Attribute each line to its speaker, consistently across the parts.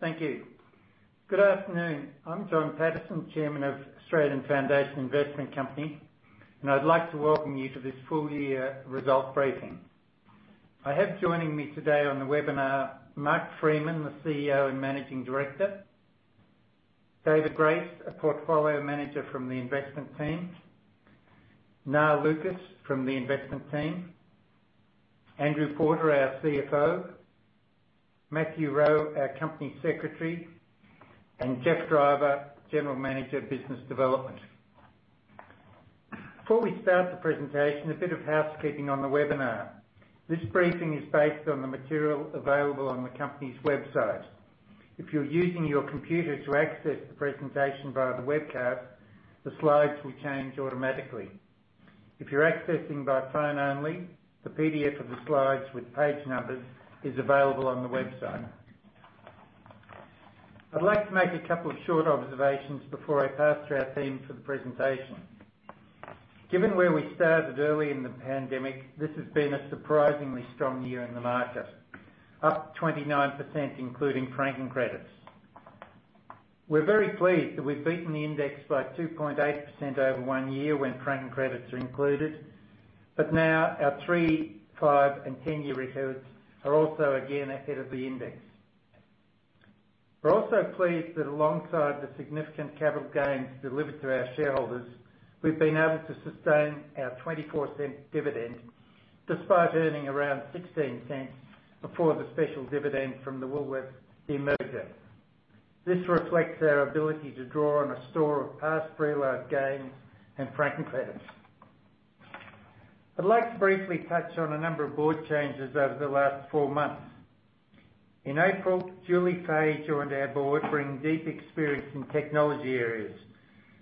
Speaker 1: Thank you. Good afternoon. I'm John Paterson, Chairman of Australian Foundation Investment Company, and I'd like to welcome you to this full year result briefing. I have joining me today on the webinar, Mark Freeman, the Chief Executive Officer and Managing Director, David Grace, a Portfolio Manager from the investment team, Nga Lucas from the investment team, Andrew Porter, our CFO, Matthew Rowe, our Company Secretary, and Geoff Driver, General Manager of Business Development. Before we start the presentation, a bit of housekeeping on the webinar. This briefing is based on the material available on the company's website. If you're using your computer to access the presentation via the webcast, the slides will change automatically. If you're accessing by phone only, the PDF of the slides with page numbers is available on the website. I'd like to make a couple of short observations before I pass to our team for the presentation. Given where we started early in the pandemic, this has been a surprisingly strong year in the market, up 29%, including franking credits. We're very pleased that we've beaten the index by 2.8% over one year when franking credits are included. Now our three, five, and 10-year records are also again ahead of the index. We're also pleased that alongside the significant capital gains delivered to our shareholders, we've been able to sustain our 0.24 dividend, despite earning around 0.16 before the special dividend from the Woolworths demerger. This reflects our ability to draw on a store of past realised gains and franking credits. I'd like to briefly touch on a number of board changes over the last four months. In April, Julie Fahey joined our board, bringing deep experience in technology areas,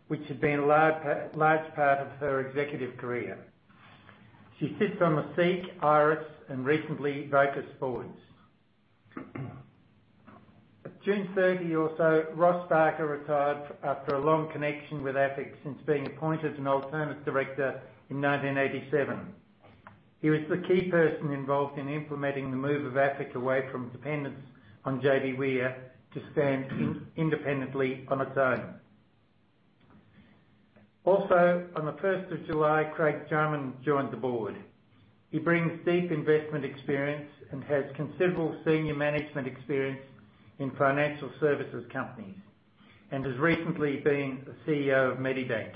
Speaker 1: which had been a large part of her executive career. She sits on the SEEK, IRESS and recently Phocuswright. At June 30 or so, Ross Barker retired after a long connection with AFIC since being appointed an alternate director in 1987. He was the key person involved in implementing the move of AFIC away from dependence on JBWere to stand independently on its own. Also, on the July 1st, Craig Drummond joined the board. He brings deep investment experience and has considerable senior management experience in financial services companies and has recently been the CEO of Medibank.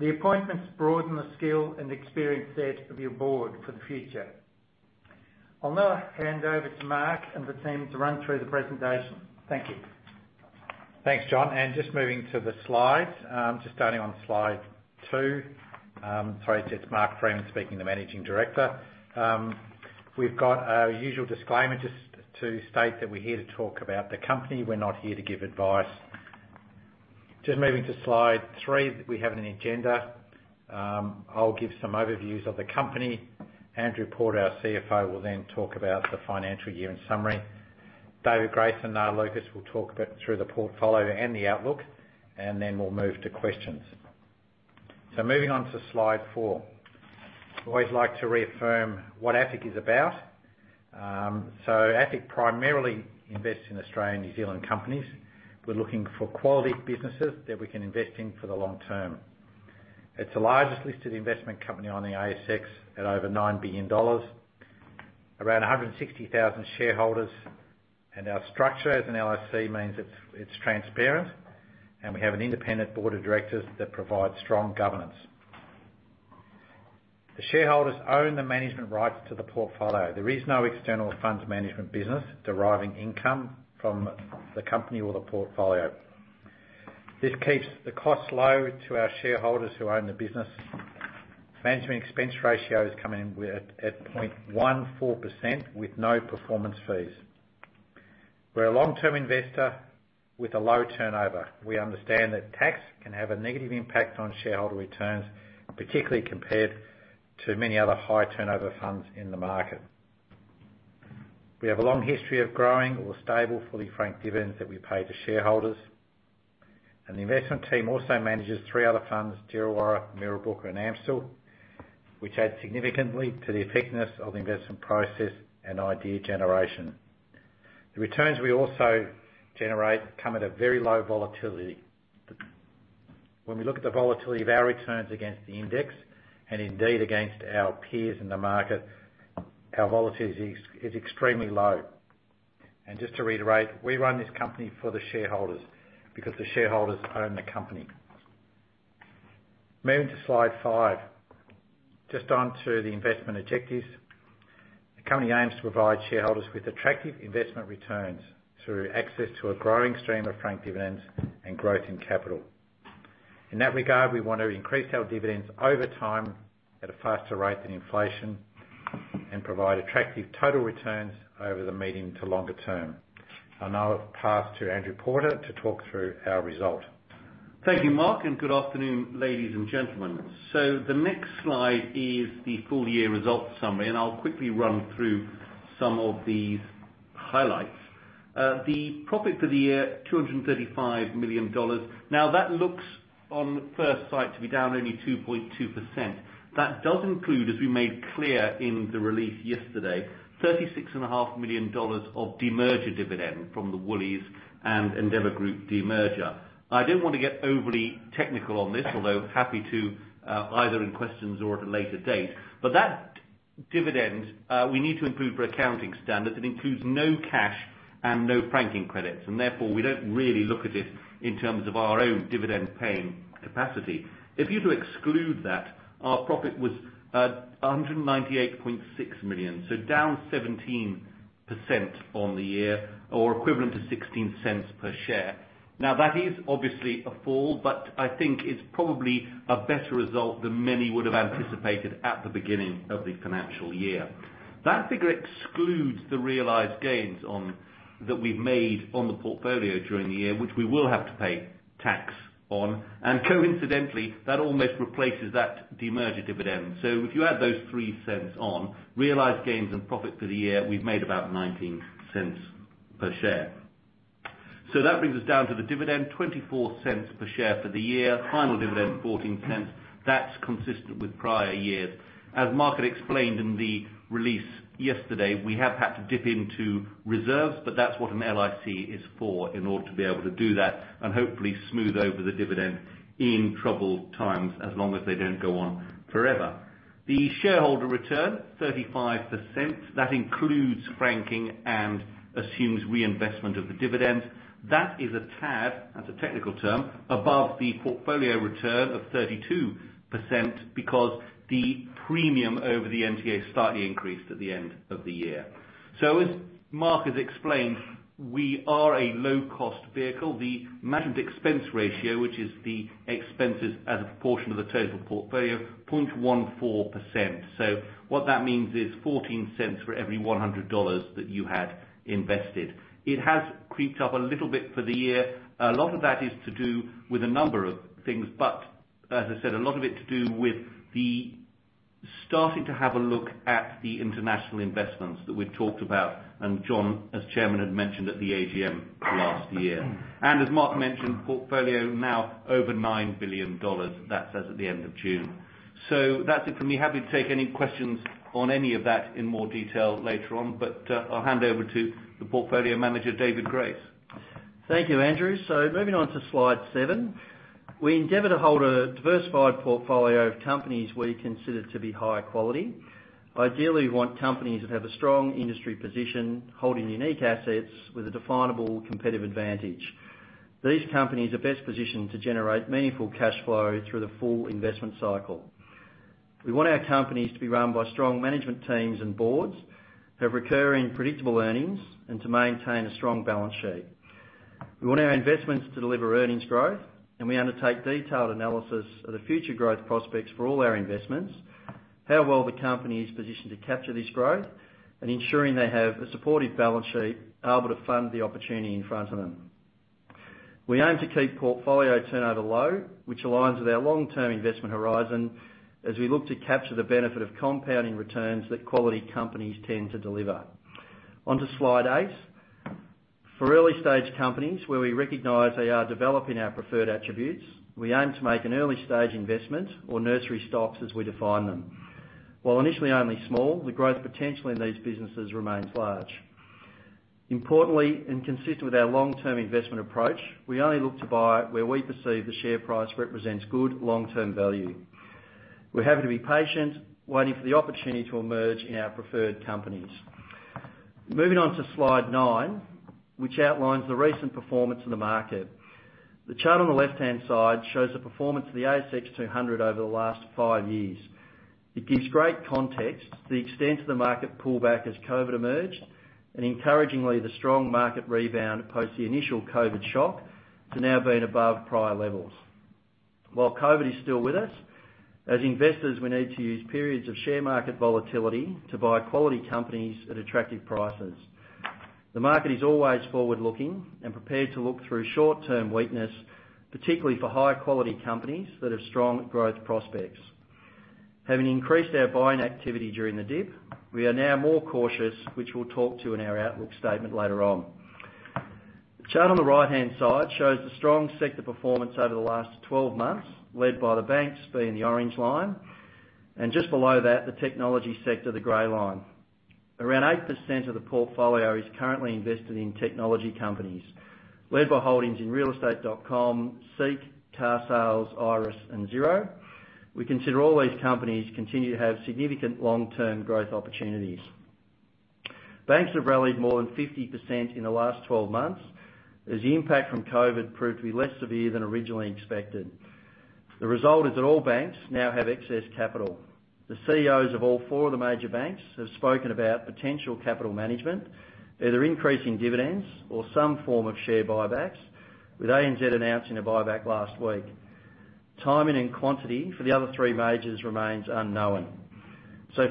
Speaker 1: The appointments broaden the skill and experience set of your board for the future. I'll now hand over to Mark and the team to run through the presentation. Thank you.
Speaker 2: Thanks, John. Just moving to the slides. Just starting on slide two. Sorry, it's Mark Freeman speaking, the Managing Director. We've got our usual disclaimer just to state that we're here to talk about the company. We're not here to give advice. Just moving to slide three. We have an agenda. I'll give some overviews of the company. Andrew Porter, our CFO, will then talk about the financial year in summary. David Grace and Nga Lucas will talk a bit through the portfolio and the outlook. Then we'll move to questions. Moving on to slide four. I always like to reaffirm what AFIC is about. AFIC primarily invests in Australian, New Zealand companies. We're looking for quality businesses that we can invest in for the long term. It's the largest listed investment company on the ASX at over 9 billion dollars. Around 160,000 shareholders, and our structure as an LIC means it's transparent, and we have an independent board of directors that provide strong governance. The shareholders own the management rights to the portfolio. There is no external funds management business deriving income from the company or the portfolio. This keeps the costs low to our shareholders who own the business. Management expense ratio is coming in at 0.14% with no performance fees. We're a long-term investor with a low turnover. We understand that tax can have a negative impact on shareholder returns, particularly compared to many other high turnover funds in the market. We have a long history of growing or stable fully franked dividends that we pay to shareholders. The investment team also manages three other funds, Djerriwarrh, Mirrabooka and AMCIL, which add significantly to the effectiveness of the investment process and idea generation. The returns we also generate come at a very low volatility. When we look at the volatility of our returns against the index and indeed against our peers in the market, our volatility is extremely low. Just to reiterate, we run this company for the shareholders because the shareholders own the company. Moving to slide five. Just onto the investment objectives. The company aims to provide shareholders with attractive investment returns through access to a growing stream of franked dividends and growth in capital. In that regard, we want to increase our dividends over time at a faster rate than inflation and provide attractive total returns over the medium to longer term. I'll now pass to Andrew Porter to talk through our result.
Speaker 3: Thank you, Mark Freeman, good afternoon, ladies and gentlemen. The next slide is the full year results summary. I'll quickly run through some of these highlights. The profit for the year, 235 million dollars. On first sight, to be down only 2.2%, that does include, as we made clear in the release yesterday, 36.5 million dollars of demerger dividend from the Woolworths and Endeavour Group demerger. I don't want to get overly technical on this, although happy to either in questions or at a later date. That dividend, we need to include for accounting standards. It includes no cash and no franking credits. Therefore, we don't really look at it in terms of our own dividend-paying capacity. If you were to exclude that, our profit was at 198.6 million. Down 17% on the year, or equivalent to 0.16 per share. That is obviously a fall, but I think it's probably a better result than many would have anticipated at the beginning of the financial year. That figure excludes the realized gains that we've made on the portfolio during the year, which we will have to pay tax on. Coincidentally, that almost replaces that demerger dividend. If you add those 0.03 on realized gains and profit for the year, we've made about 0.19 per share. That brings us down to the dividend, 0.24 per share for the year, final dividend 0.14. That's consistent with prior years. As Mark explained in the release yesterday, we have had to dip into reserves, but that's what an LIC is for in order to be able to do that and hopefully smooth over the dividend in troubled times, as long as they don't go on forever. The shareholder return, 35%, that includes franking and assumes reinvestment of the dividend. That is a tad, that's a technical term, above the portfolio return of 32% because the premium over the NTA slightly increased at the end of the year. As Mark has explained, we are a low-cost vehicle. The managed expense ratio, which is the expenses as a proportion of the total portfolio, 0.14%. What that means is 0.14 for every 100 dollars that you had invested. It has creeped up a little bit for the year. A lot of that is to do with a number of things, but as I said, a lot of it to do with the starting to have a look at the international investments that we've talked about, and John, as Chairman, had mentioned at the AGM last year. As Mark mentioned, portfolio now over 9 billion dollars. That's as at the end of June. That's it for me. Happy to take any questions on any of that in more detail later on. I'll hand over to the portfolio manager, David Grace.
Speaker 4: Thank you, Andrew. Moving on to slide seven. We endeavour to hold a diversified portfolio of companies we consider to be high quality. Ideally, we want companies that have a strong industry position, holding unique assets with a definable competitive advantage. These companies are best positioned to generate meaningful cash flow through the full investment cycle. We want our companies to be run by strong management teams and boards, have recurring predictable earnings, and to maintain a strong balance sheet. We want our investments to deliver earnings growth, and we undertake detailed analysis of the future growth prospects for all our investments, how well the company is positioned to capture this growth, and ensuring they have a supportive balance sheet able to fund the opportunity in front of them. We aim to keep portfolio turnover low, which aligns with our long-term investment horizon as we look to capture the benefit of compounding returns that quality companies tend to deliver. Onto slide eight. For early-stage companies where we recognize they are developing our preferred attributes, we aim to make an early-stage investment or nursery stocks as we define them. While initially only small, the growth potential in these businesses remains large. Importantly, and consistent with our long-term investment approach, we only look to buy where we perceive the share price represents good long-term value. We're happy to be patient, waiting for the opportunity to emerge in our preferred companies. Moving on to slide nine, which outlines the recent performance of the market. The chart on the left-hand side shows the performance of the ASX 200 over the last five years. It gives great context to the extent of the market pullback as COVID emerged, encouragingly, the strong market rebound post the initial COVID shock to now being above prior levels. While COVID is still with us, as investors, we need to use periods of share market volatility to buy quality companies at attractive prices. The market is always forward-looking and prepared to look through short-term weakness, particularly for high-quality companies that have strong growth prospects. Having increased our buying activity during the dip, we are now more cautious, which we'll talk to in our outlook statement later on. The chart on the right-hand side shows the strong sector performance over the last 12 months, led by the banks, being the orange line, and just below that, the technology sector, the gray line. Around 8% of the portfolio is currently invested in technology companies, led by holdings in realestate.com, SEEK, Carsales, Iress, and Xero. We consider all these companies continue to have significant long-term growth opportunities. Banks have rallied more than 50% in the last 12 months as the impact from COVID proved to be less severe than originally expected. The result is that all banks now have excess capital. The CEOs of all four of the major banks have spoken about potential capital management, either increasing dividends or some form of share buybacks, with ANZ announcing a buyback last week. Timing and quantity for the other three majors remains unknown.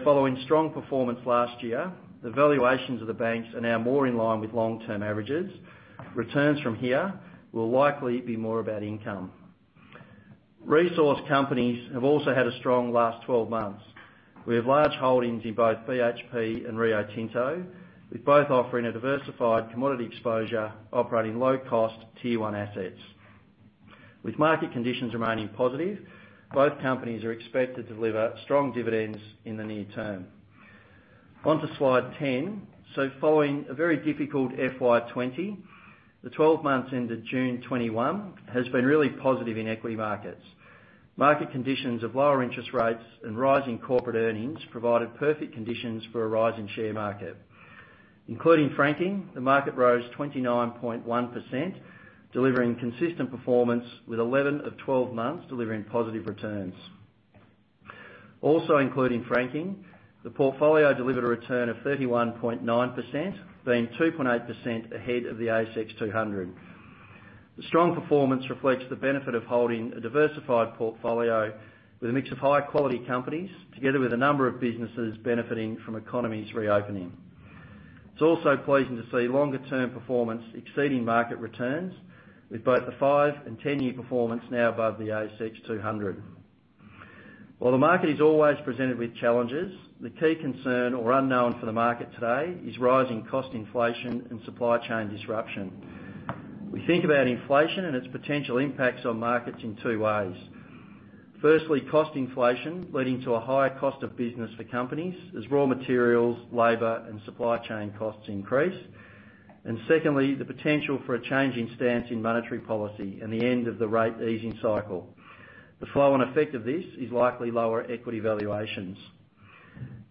Speaker 4: Following strong performance last year, the valuations of the banks are now more in line with long-term averages. Returns from here will likely be more about income. Resource companies have also had a strong last 12 months. We have large holdings in both BHP and Rio Tinto, with both offering a diversified commodity exposure operating low-cost tier I assets. With market conditions remaining positive, both companies are expected to deliver strong dividends in the near term. Onto slide 10. Following a very difficult FY 2020, the 12 months ended June 2021 has been really positive in equity markets. Market conditions of lower interest rates and rising corporate earnings provided perfect conditions for a rise in share market. Including franking, the market rose 29.1%, delivering consistent performance with 11 of 12 months delivering positive returns. Also including franking, the portfolio delivered a return of 31.9%, being 2.8% ahead of the ASX 200. The strong performance reflects the benefit of holding a diversified portfolio with a mix of high-quality companies, together with a number of businesses benefiting from economies reopening. It's also pleasing to see longer term performance exceeding market returns with both the five and 10-year performance now above the S&P/ASX 200. While the market is always presented with challenges, the key concern or unknown for the market today is rising cost inflation and supply chain disruption. We think about inflation and its potential impacts on markets in two ways. Firstly, cost inflation leading to a higher cost of business for companies as raw materials, labor, and supply chain costs increase, and secondly, the potential for a change in stance in monetary policy and the end of the rate easing cycle. The flow and effect of this is likely lower equity valuations.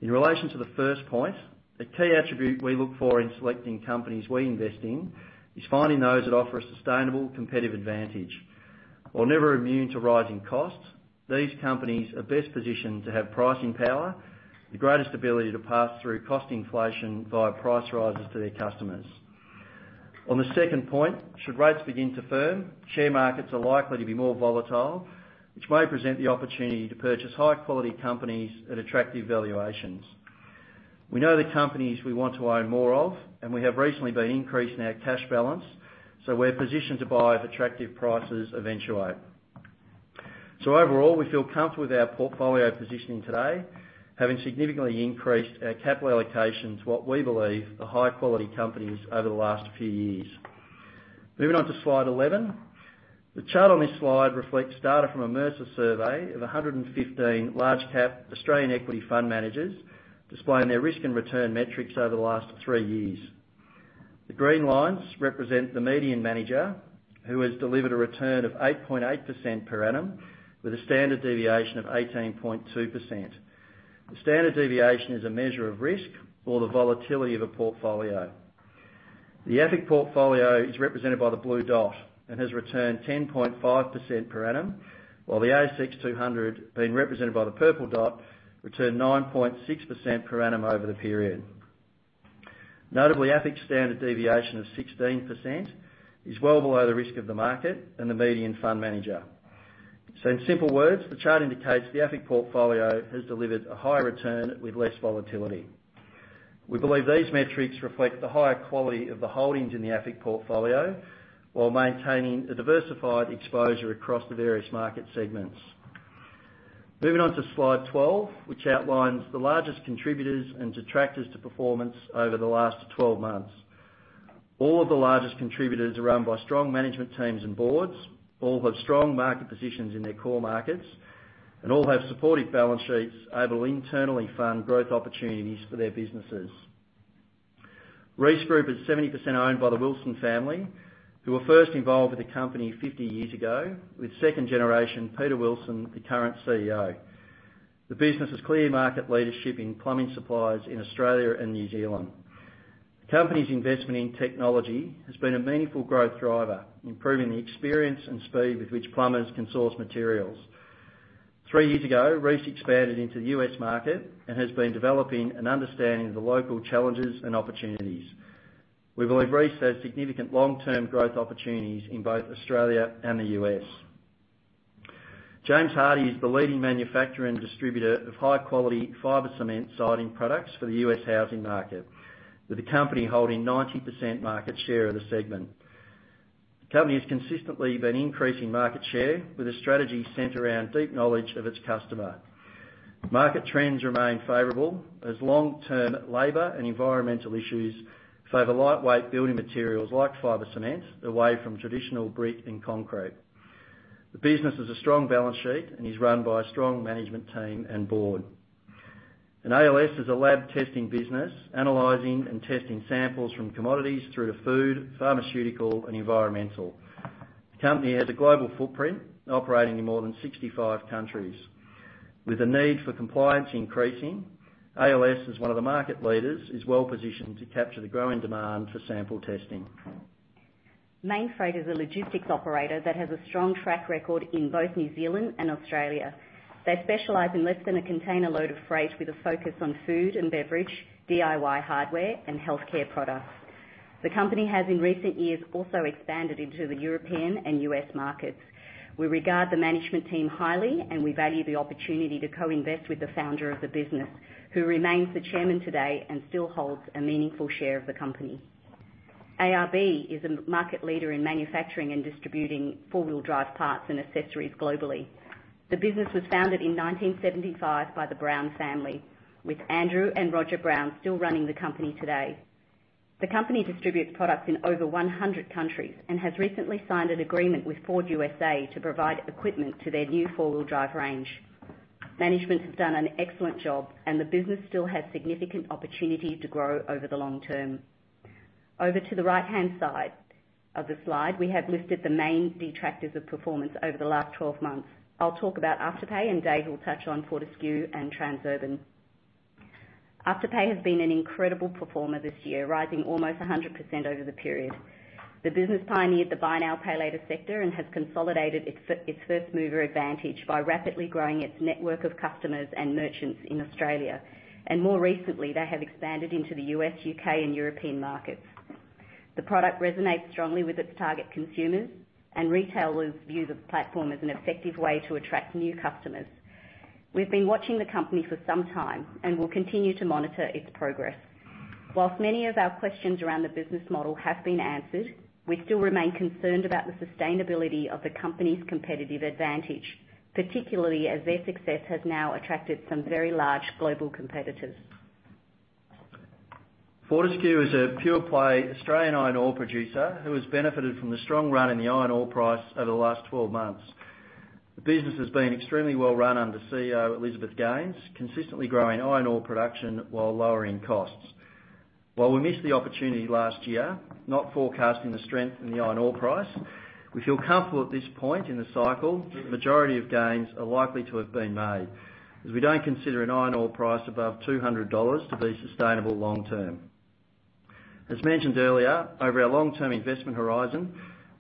Speaker 4: In relation to the first point, a key attribute we look for in selecting companies we invest in is finding those that offer a sustainable competitive advantage. While never immune to rising costs, these companies are best positioned to have pricing power, the greatest ability to pass through cost inflation via price rises to their customers. Should rates begin to firm, share markets are likely to be more volatile, which may present the opportunity to purchase high-quality companies at attractive valuations. We know the companies we want to own more of, We have recently been increasing our cash balance, We're positioned to buy if attractive prices eventuate. Overall, we feel comfortable with our portfolio positioning today, having significantly increased our capital allocation to what we believe are high-quality companies over the last few years. Moving on to slide 11. The chart on this slide reflects data from a Mercer survey of 115 large cap Australian equity fund managers, displaying their risk and return metrics over the last three years. The green lines represent the median manager, who has delivered a return of 8.8% per annum, with a standard deviation of 18.2%. The standard deviation is a measure of risk or the volatility of a portfolio. The AFIC portfolio is represented by the blue dot and has returned 10.5% per annum, while the ASX 200, being represented by the purple dot, returned 9.6% per annum over the period. Notably, AFIC's standard deviation of 16% is well below the risk of the market and the median fund manager. In simple words, the chart indicates the AFIC portfolio has delivered a higher return with less volatility. We believe these metrics reflect the higher quality of the holdings in the AFIC portfolio while maintaining a diversified exposure across the various market segments. Moving on to slide 12, which outlines the largest contributors and detractors to performance over the last 12 months. All of the largest contributors are run by strong management teams and boards, all have strong market positions in their core markets, and all have supportive balance sheets able to internally fund growth opportunities for their businesses. Reece Group is 70% owned by the Wilson family, who were first involved with the company 50 years ago, with second generation Peter Wilson, the current CEO. The business has clear market leadership in plumbing suppliers in Australia and New Zealand. The company's investment in technology has been a meaningful growth driver, improving the experience and speed with which plumbers can source materials. three years ago, Reece expanded into the U.S. market and has been developing an understanding of the local challenges and opportunities. We believe Reece has significant long-term growth opportunities in both Australia and the U.S.. James Hardie is the leading manufacturer and distributor of high-quality fiber cement siding products for the U.S. housing market, with the company holding 90% market share of the segment. The company has consistently been increasing market share with a strategy centered around deep knowledge of its customer. Market trends remain favorable as long-term labor and environmental issues favor lightweight building materials like fiber cement away from traditional brick and concrete. The business has a strong balance sheet and is run by a strong management team and board. ALS is a lab testing business, analyzing and testing samples from commodities through to food, pharmaceutical, and environmental. The company has a global footprint operating in more than 65 countries. With the need for compliance increasing, ALS as one of the market leaders, is well-positioned to capture the growing demand for sample testing.
Speaker 5: Mainfreight is a logistics operator that has a strong track record in both New Zealand and Australia. They specialize in less than a container load of freight with a focus on food and beverage, DIY hardware, and healthcare products. The company has in recent years also expanded into the European and U.S. markets. We regard the management team highly, and we value the opportunity to co-invest with the founder of the business, who remains the chairman today and still holds a meaningful share of the company. ARB is a market leader in manufacturing and distributing four-wheel drive parts and accessories globally. The business was founded in 1975 by the Brown family, with Andrew Brown and Roger Brown still running the company today. The company distributes products in over 100 countries and has recently signed an agreement with Ford U.S.A. to provide equipment to their new four-wheel drive range. Management has done an excellent job. The business still has significant opportunity to grow over the long term. Over to the right-hand side of the slide, we have listed the main detractors of performance over the last 12 months. I'll talk about Afterpay, and David will touch on Fortescue and Transurban. Afterpay has been an incredible performer this year, rising almost 100% over the period. The business pioneered the buy now, pay later sector and has consolidated its first mover advantage by rapidly growing its network of customers and merchants in Australia. More recently, they have expanded into the U.S., U.K., and European markets. The product resonates strongly with its target consumers, and retailers view the platform as an effective way to attract new customers. We've been watching the company for some time and will continue to monitor its progress. While many of our questions around the business model have been answered, we still remain concerned about the sustainability of the company's competitive advantage, particularly as their success has now attracted some very large global competitors.
Speaker 4: Fortescue is a pure play Australian iron ore producer who has benefited from the strong run in the iron ore price over the last 12 months. The business has been extremely well run under CEO Elizabeth Gaines, consistently growing iron ore production while lowering costs. While we missed the opportunity last year, not forecasting the strength in the iron ore price, we feel comfortable at this point in the cycle that the majority of gains are likely to have been made, as we don't consider an iron ore price above 200 dollars to be sustainable long term. As mentioned earlier, over our long-term investment horizon,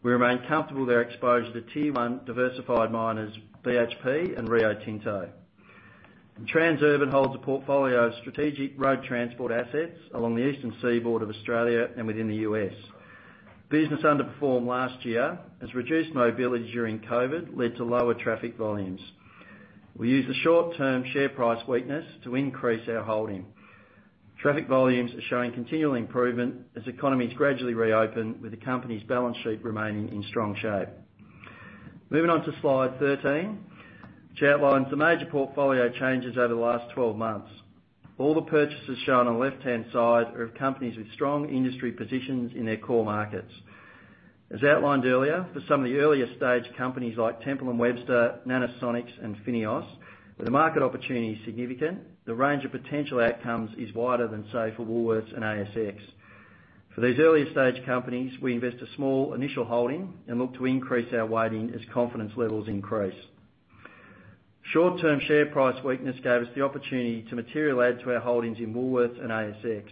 Speaker 4: we remain comfortable with our exposure to tier I diversified miners BHP and Rio Tinto. Transurban holds a portfolio of strategic road transport assets along the eastern seaboard of Australia and within the U.S.. Business underperformed last year, as reduced mobility during COVID led to lower traffic volumes. We used the short-term share price weakness to increase our holding. Traffic volumes are showing continual improvement as economies gradually reopen, with the company's balance sheet remaining in strong shape. Moving on to slide 13, which outlines the major portfolio changes over the last 12 months. All the purchases shown on the left-hand side are of companies with strong industry positions in their core markets. As outlined earlier, for some of the earlier stage companies like Temple & Webster, Nanosonics, and FINEOS, where the market opportunity is significant, the range of potential outcomes is wider than, say, for Woolworths and ASX. For these earlier stage companies, we invest a small initial holding and look to increase our weighting as confidence levels increase. Short-term share price weakness gave us the opportunity to materially add to our holdings in Woolworths and ASX.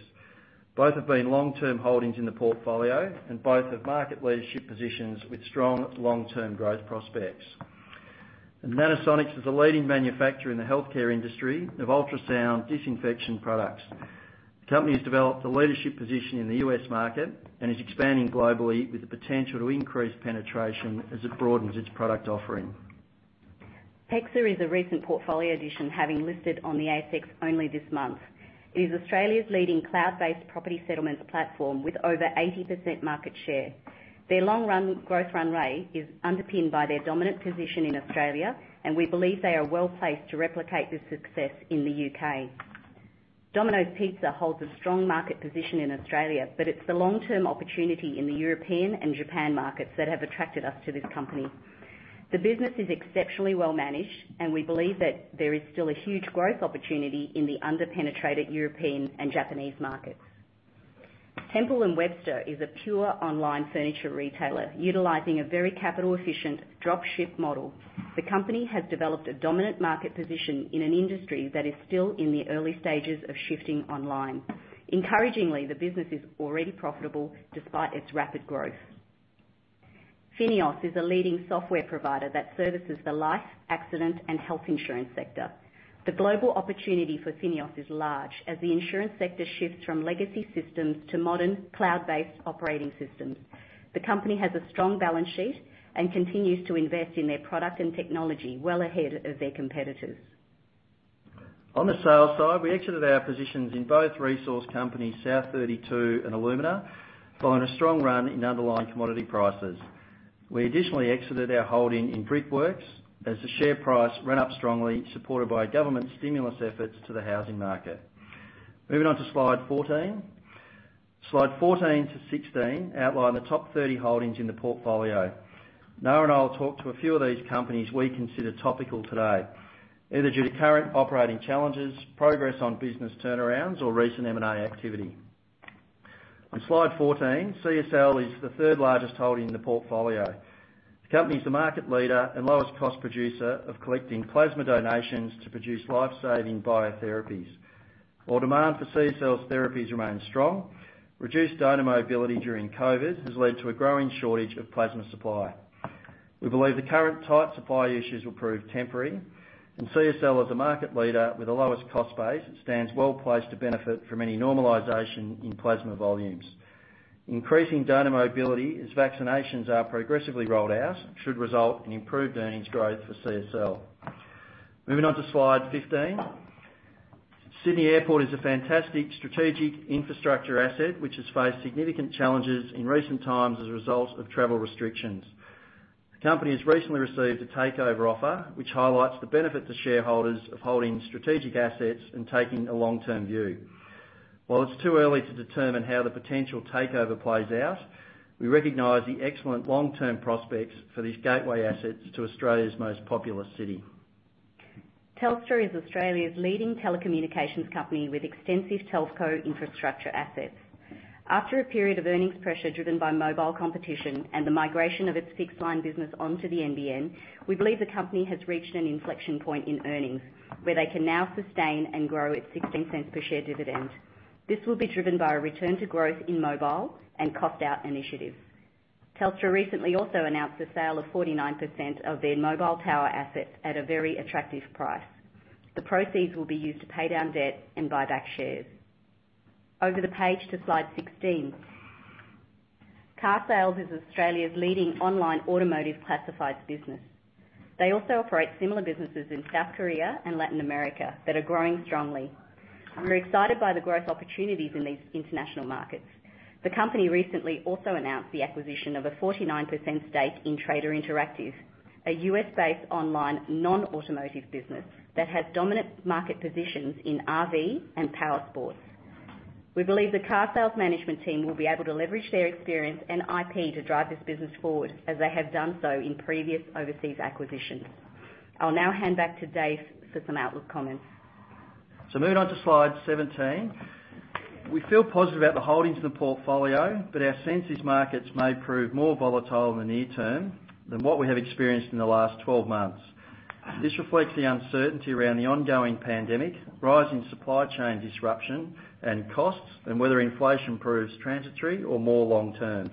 Speaker 4: Both have been long-term holdings in the portfolio, and both have market leadership positions with strong long-term growth prospects. Nanosonics is a leading manufacturer in the healthcare industry of ultrasound disinfection products. The company has developed a leadership position in the U.S. market and is expanding globally with the potential to increase penetration as it broadens its product offering.
Speaker 5: PEXA is a recent portfolio addition, having listed on the ASX only this month. It is Australia's leading cloud-based property settlements platform, with over 80% market share. Their long growth runway is underpinned by their dominant position in Australia, and we believe they are well-placed to replicate this success in the U.K. Domino's Pizza holds a strong market position in Australia, but it's the long-term opportunity in the European and Japan markets that have attracted us to this company. The business is exceptionally well managed, and we believe that there is still a huge growth opportunity in the under-penetrated European and Japanese markets. Temple & Webster is a pure online furniture retailer utilizing a very capital-efficient drop-ship model. The company has developed a dominant market position in an industry that is still in the early stages of shifting online. Encouragingly, the business is already profitable despite its rapid growth. FINEOS is a leading software provider that services the life, accident, and health insurance sector. The global opportunity for FINEOS is large as the insurance sector shifts from legacy systems to modern cloud-based operating systems. The company has a strong balance sheet and continues to invest in their product and technology well ahead of their competitors.
Speaker 4: On the sales side, we exited our positions in both resource companies South32 and Alumina following a strong run in underlying commodity prices. We additionally exited our holding in Brickworks as the share price ran up strongly, supported by government stimulus efforts to the housing market. Moving on to slide 14. Slides 14-16 outline the top 30 holdings in the portfolio. Nga and I will talk to a few of these companies we consider topical today, either due to current operating challenges, progress on business turnarounds, or recent M&A activity. On slide 14, CSL is the third largest holding in the portfolio. The company is the market leader and lowest cost producer of collecting plasma donations to produce life-saving biotherapies. While demand for CSL's therapies remains strong, reduced donor mobility during COVID has led to a growing shortage of plasma supply. We believe the current tight supply issues will prove temporary. CSL, as a market leader with the lowest cost base, stands well-placed to benefit from any normalization in plasma volumes. Increasing donor mobility as vaccinations are progressively rolled out should result in improved earnings growth for CSL. Moving on to slide 15. Sydney Airport is a fantastic strategic infrastructure asset which has faced significant challenges in recent times as a result of travel restrictions. The company has recently received a takeover offer, which highlights the benefit to shareholders of holding strategic assets and taking a long-term view. While it is too early to determine how the potential takeover plays out, we recognize the excellent long-term prospects for these gateway assets to Australia's most populous city.
Speaker 5: Telstra is Australia's leading telecommunications company with extensive telco infrastructure assets. After a period of earnings pressure driven by mobile competition and the migration of its fixed-line business onto the NBN, we believe the company has reached an inflection point in earnings, where they can now sustain and grow its 0.16 per share dividend. This will be driven by a return to growth in mobile and cost out initiatives. Telstra recently also announced the sale of 49% of their mobile tower assets at a very attractive price. The proceeds will be used to pay down debt and buy back shares. Over the page to slide 16. Carsales is Australia's leading online automotive classifieds business. They also operate similar businesses in South Korea and Latin America that are growing strongly. We're excited by the growth opportunities in these international markets. The company recently also announced the acquisition of a 49% stake in Trader Interactive, a U.S.-based online non-automotive business that has dominant market positions in RV and powersports. We believe the Carsales management team will be able to leverage their experience and IP to drive this business forward as they have done so in previous overseas acquisitions. I'll now hand back to David Grace for some outlook comments.
Speaker 4: Moving on to slide 17. We feel positive about the holdings in the portfolio, but our sense is markets may prove more volatile in the near term than what we have experienced in the last 12 months. This reflects the uncertainty around the ongoing pandemic, rising supply chain disruption and costs, and whether inflation proves transitory or more long-term.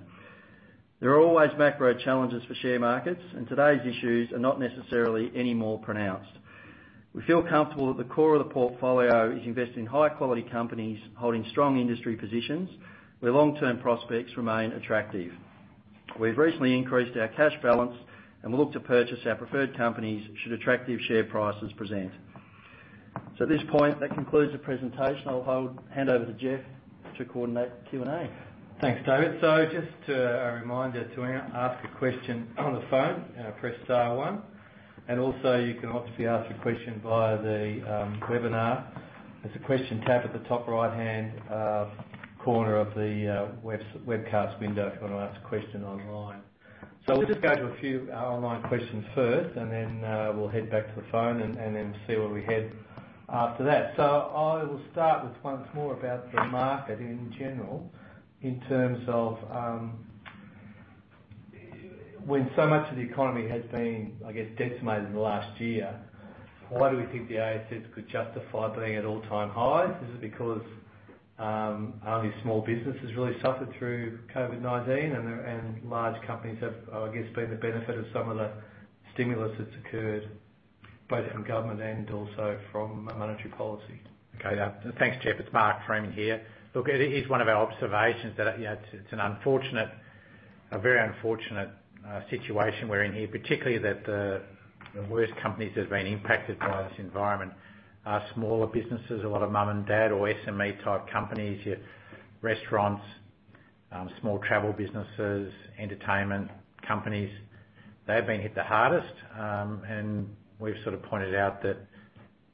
Speaker 4: There are always macro challenges for share markets, and today's issues are not necessarily any more pronounced. We feel comfortable that the core of the portfolio is investing in high-quality companies holding strong industry positions, where long-term prospects remain attractive. We've recently increased our cash balance and will look to purchase our preferred companies should attractive share prices present. At this point, that concludes the presentation. I'll hand over to Geoff to coordinate the Q&A.
Speaker 6: Thanks, David. Just a reminder to ask a question on the phone, press star one, and also you can obviously ask a question via the webinar. There's a question tab at the top right-hand corner of the webcast window if you want to ask a question online. We'll just go to a few online questions first and then we'll head back to the phone and then see where we head after that. I will start with one that's more about the market in general in terms of when so much of the economy has been, I guess, decimated in the last year, why do we think the ASX could justify being at all-time highs? Is it because only small businesses really suffered through COVID-19 and large companies have, I guess, been the benefit of some of the stimulus that's occurred, both from government and also from monetary policy?
Speaker 2: Okay. Thanks, Geoff. It's Mark Freeman here. It is one of our observations that it's an unfortunate, a very unfortunate situation we're in here, particularly that the worst companies that have been impacted by this environment are smaller businesses, a lot of mom and dad or SME type companies, your restaurants, small travel businesses, entertainment companies, they've been hit the hardest. We've pointed out that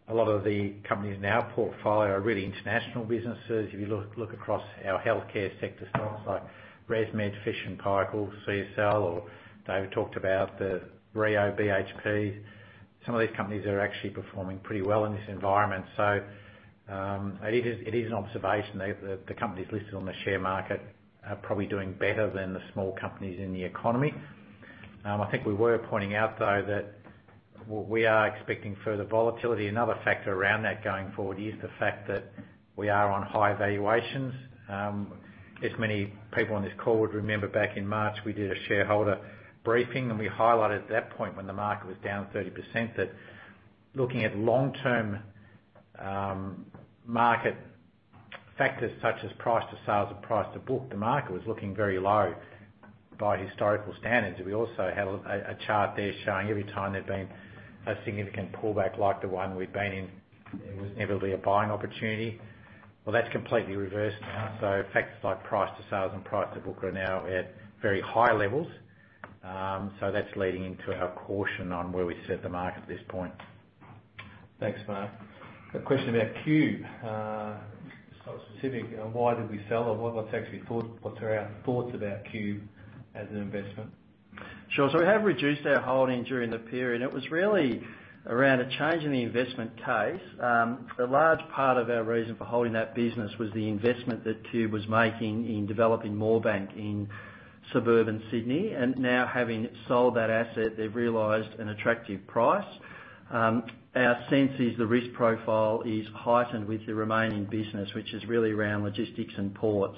Speaker 2: a lot of the companies in our portfolio are really international businesses. If you look across our healthcare sector stocks like ResMed, Fisher and Paykel, CSL, or David talked about the Rio BHP. Some of these companies are actually performing pretty well in this environment. It is an observation that the companies listed on the share market are probably doing better than the small companies in the economy. I think we were pointing out, though, that we are expecting further volatility. Another factor around that going forward is the fact that we are on high valuations. As many people on this call would remember back in March, we did a shareholder briefing, and we highlighted at that point when the market was down 30% that looking at long-term market factors such as price to sales and price to book, the market was looking very low by historical standards. We also have a chart there showing every time there's been a significant pullback like the one we've been in, it was inevitably a buying opportunity. Well, that's completely reversed now. Factors like price to sales and price to book are now at very high levels. That's leading into our caution on where we set the market at this point.
Speaker 6: Thanks, Mark. A question about Qube, specific on why did we sell or what's our thoughts about Qube as an investment?
Speaker 4: We have reduced our holding during the period. It was really around a change in the investment case. A large part of our reason for holding that business was the investment that Qube was making in developing Moorebank in suburban Sydney, and now having sold that asset, they've realized an attractive price. Our sense is the risk profile is heightened with the remaining business, which is really around logistics and ports.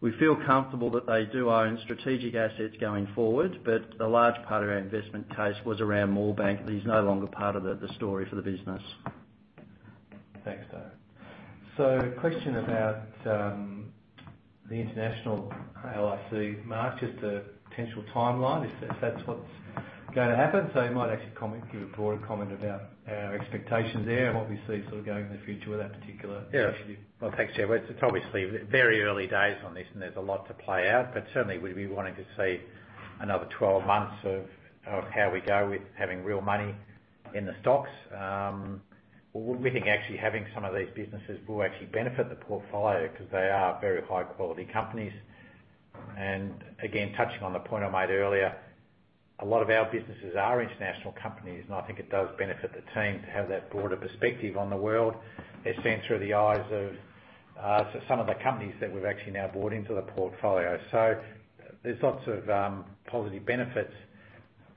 Speaker 4: We feel comfortable that they do own strategic assets going forward, but a large part of our investment case was around Moorebank. It is no longer part of the story for the business.
Speaker 6: Thanks, David. A question about the international LIC, Mark, just a potential timeline if that's what's going to happen? You might actually give a broader comment about our expectations there and what we see sort of going in the future with that particular issue.
Speaker 2: Yeah. Well, thanks, chair. It's obviously very early days on this and there's a lot to play out, but certainly we'd be wanting to see another 12 months of how we go with having real money in the stocks. We think actually having some of these businesses will actually benefit the portfolio because they are very high-quality companies. Again, touching on the point I made earlier, a lot of our businesses are international companies, and I think it does benefit the team to have that broader perspective on the world as seen through the eyes of some of the companies that we've actually now bought into the portfolio. There's lots of positive benefits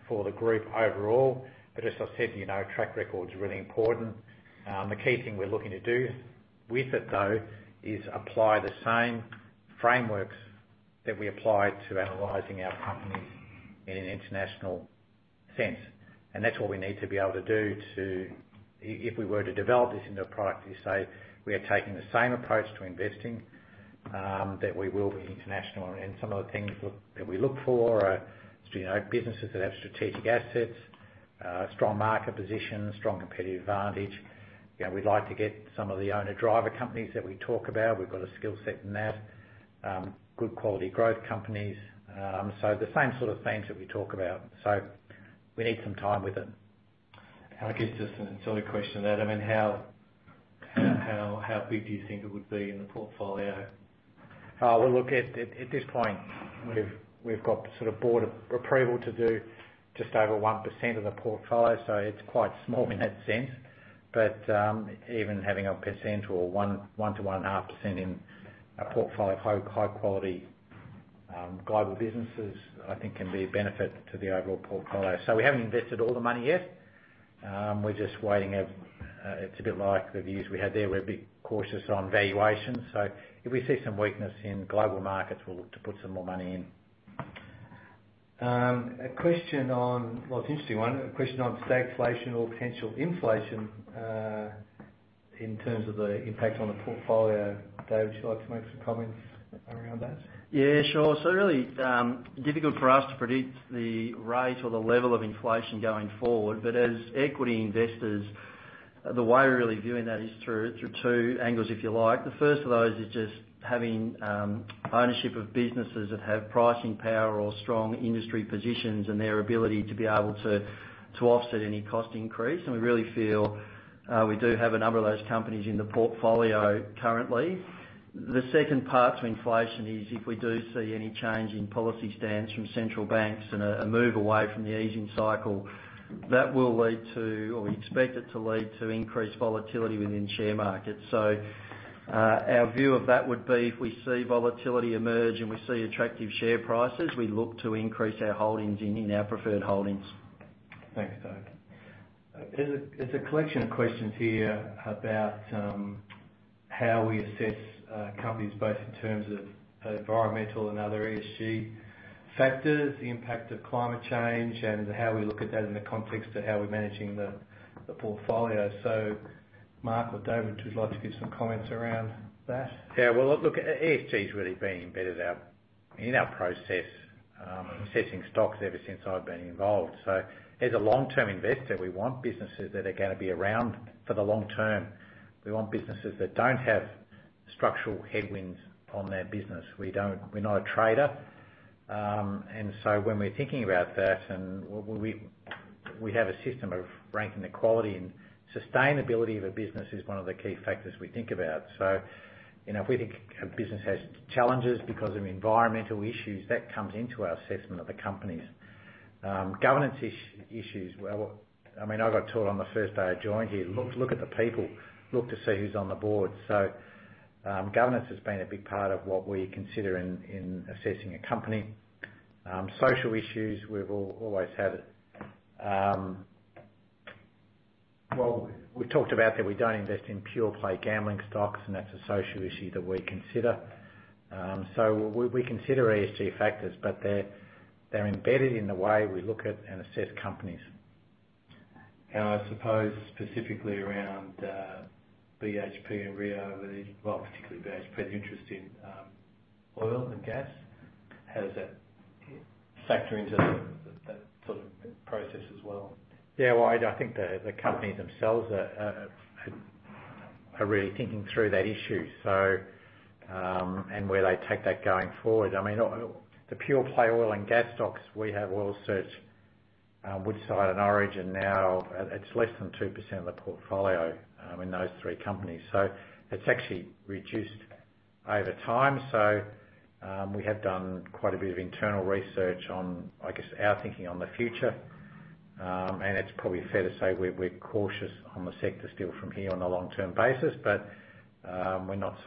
Speaker 2: for the group overall. As I said, track record's really important. The key thing we're looking to do with it, though, is apply the same frameworks that we apply to analyzing our companies in an international sense. That's what we need to be able to do if we were to develop this into a product. We are taking the same approach to investing, that we will be international and some of the things that we look for are businesses that have strategic assets, strong market position, strong competitive advantage. We'd like to get some of the owner-driver companies that we talk about. We've got a skill set in that. Good quality growth companies. The same sort of things that we talk about. We need some time with it.
Speaker 6: I guess just a silly question to that, how big do you think it would be in the portfolio?
Speaker 2: Well, look, at this point, we've got board approval to do just over 1% of the portfolio. It's quite small in that sense. Even having 1% or 1%-1.5% in a portfolio of high-quality global businesses, I think can be a benefit to the overall portfolio. We haven't invested all the money yet. We're just waiting. It's a bit like the views we had there. We're a bit cautious on valuation. If we see some weakness in global markets, we'll look to put some more money in.
Speaker 6: A question on, well, it's an interesting one. A question on stagflation or potential inflation, in terms of the impact on the portfolio. David, would you like to make some comments around that?
Speaker 4: Sure. Really, difficult for us to predict the rate or the level of inflation going forward. As equity investors, the way we're really viewing that is through two angles, if you like. The first of those is just having ownership of businesses that have pricing power or strong industry positions and their ability to be able to offset any cost increase. We really feel we do have a number of those companies in the portfolio currently. The second part to inflation is if we do see any change in policy stance from central banks and a move away from the easing cycle, that will lead to, or we expect it to lead to increased volatility within share markets. Our view of that would be if we see volatility emerge and we see attractive share prices, we look to increase our holdings in our preferred holdings.
Speaker 6: Thanks, David. There's a collection of questions here about how we assess companies both in terms of environmental and other ESG factors, the impact of climate change, and how we look at that in the context of how we're managing the portfolio. Mark or David, would you like to give some comments around that?
Speaker 2: Yeah, well, look, ESG has really been embedded in our process, assessing stocks ever since I've been involved. As a long-term investor, we want businesses that are going to be around for the long term. We want businesses that don't have structural headwinds on their business. We're not a trader. When we're thinking about that, and we have a system of ranking the quality, and sustainability of a business is one of the key factors we think about. If we think a business has challenges because of environmental issues, that comes into our assessment of the companies. Governance issues, I mean, I got taught on the first day I joined here, look at the people, look to see who's on the board. Governance has been a big part of what we consider in assessing a company. Social issues, we've always had it. We've talked about that we don't invest in pure play gambling stocks, and that's a social issue that we consider. We consider ESG factors, but they're embedded in the way we look at and assess companies.
Speaker 6: I suppose specifically around BHP and Rio, well, particularly BHP's interest in oil and gas. How does that factor into that sort of process as well?
Speaker 2: Yeah. Well, I think the companies themselves are really thinking through that issue and where they take that going forward. I mean, the pure play oil and gas stocks, we have Oil Search, Woodside and Origin now, it's less than 2% of the portfolio in those three companies. It's actually reduced over time. We have done quite a bit of internal research on, I guess, our thinking on the future. It's probably fair to say we're cautious on the sector still from here on a long-term basis. We're not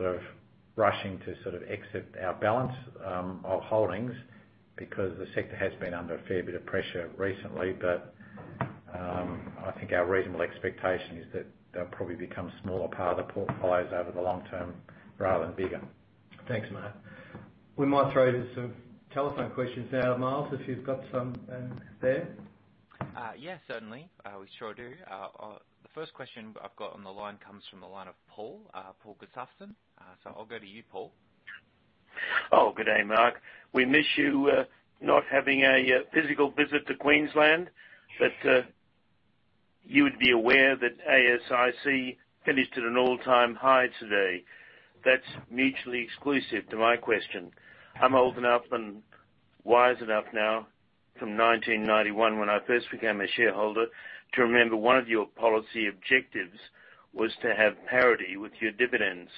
Speaker 2: rushing to exit our balance of holdings because the sector has been under a fair bit of pressure recently. I think our reasonable expectation is that they'll probably become a smaller part of the portfolios over the long term rather than bigger.
Speaker 6: Thanks, Mark. We might throw to some telephone questions now, Miles, if you've got some there?
Speaker 7: Yeah, certainly. We sure do. The first question I've got on the line comes from the line of Paul Gustafson. I'll go to you, Paul.
Speaker 8: Oh, good day, Mark. We miss you not having a physical visit to Queensland. You would be aware that AFIC finished at an all-time high today. That's mutually exclusive to my question. I'm old enough and wise enough now, from 1991 when I first became a shareholder, to remember one of your policy objectives was to have parity with your dividends,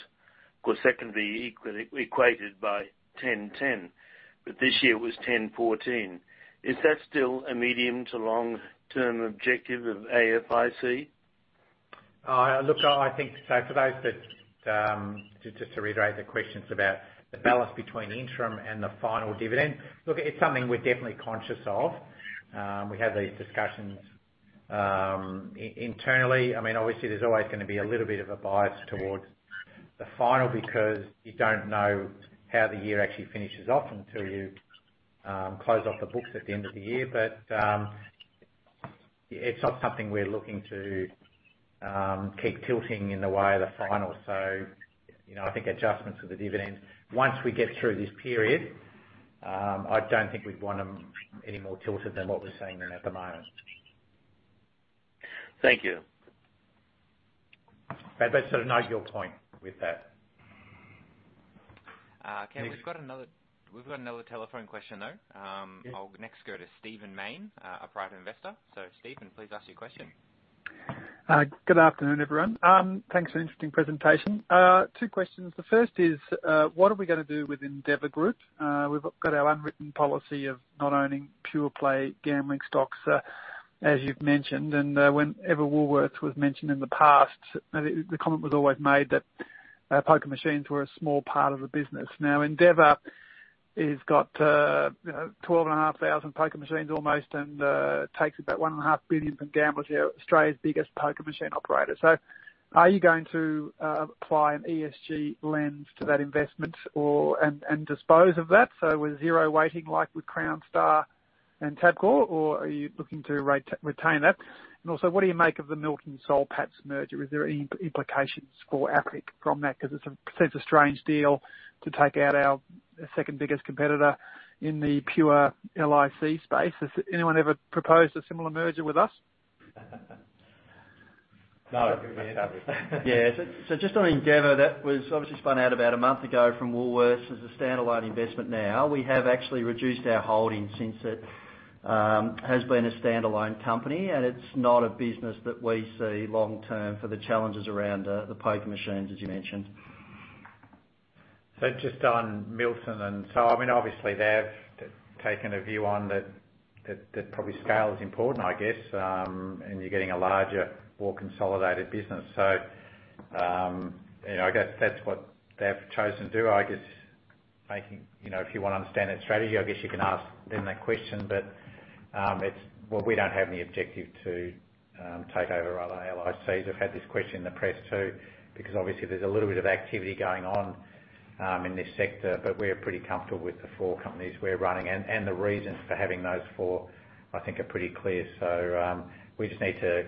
Speaker 8: because that can be equated by 10.10. This year was 10.14. Is that still a medium to long-term objective of AFIC?
Speaker 4: I think, just to reiterate the questions about the balance between interim and the final dividend. It's something we're definitely conscious of. We have these discussions internally. Obviously, there's always going to be a little bit of a bias towards the final, because you don't know how the year actually finishes off until you close off the books at the end of the year. It's not something we're looking to keep tilting in the way of the final. I think adjustments to the dividends, once we get through this period, I don't think we'd want them any more tilted than what we're seeing them at the moment.
Speaker 8: Thank you. I sort of note your point with that.
Speaker 7: Okay. We've got another telephone question, though. Yeah. I'll next go to Steven Mayne, a private investor. Steven, please ask your question.
Speaker 9: Good afternoon, everyone. Thanks for an interesting presentation. Two questions. The first is, what are we going to do with Endeavour Group? We've got out unwritten policy of not owning pure-play gambling stocks, as you've mentioned and whenever Woolworths was mentioned in the past, the comment was always made that poker machines were a small part of the business. Now, Endeavour has got 12,500 poker machines almost and takes about 1.5 billion from gamblers, Australia's biggest poker machine operator. Are you going to apply an ESG lens to that investment and dispose of that, so with zero weighting like with Crown, Star, and Tabcorp, or are you looking to retain that? Also, what do you make of the Milton Soul Patts merger? Is there any implications for AFIC from that? It seems a strange deal to take out our second biggest competitor in the pure LIC space. Has anyone ever proposed a similar merger with us?
Speaker 4: No.
Speaker 2: That's a big no.
Speaker 4: Just on Endeavour, that was obviously spun out about one month ago from Woolworths as a standalone investment now. We have actually reduced our holdings since it has been a standalone company, and it's not a business that we see long-term for the challenges around the poker machines, as you mentioned.
Speaker 2: Just on Milton and Soul Patts. Obviously they've taken a view on that probably scale is important, I guess. You're getting a larger, more consolidated business. I guess that's what they have chosen to do. If you want to understand that strategy, I guess you can ask them that question, but we don't have any objective to take over other LICs. We've had this question in the press too, because obviously there's a little bit of activity going on in this sector, but we're pretty comfortable with the four companies we're running. The reasons for having those four, I think, are pretty clear. We just need to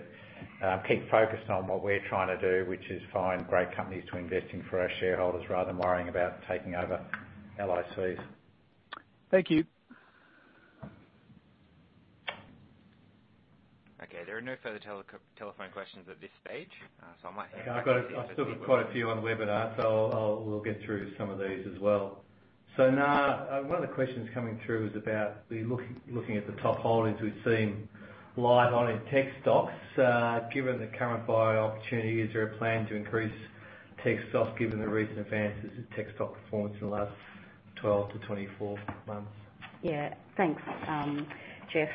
Speaker 2: keep focused on what we're trying to do, which is find great companies to invest in for our shareholders rather than worrying about taking over LICs.
Speaker 9: Thank you.
Speaker 6: Okay. There are no further telephone questions at this stage. I might hand back to you, Mark. I've still got quite a few on the webinar, we'll get through some of these as well. Now, one of the questions coming through is about looking at the top holdings we've seen light on in tech stocks. Given the current buyer opportunity, is there a plan to increase tech stocks given the recent advances in tech stock performance in the last 12-24 months?
Speaker 5: Thanks, Geoff.